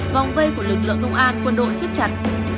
vòng vây của lực lượng công an quân đội xiết chặt